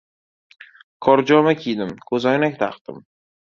Korjoma kiydim. Ko‘zoynak taqdim.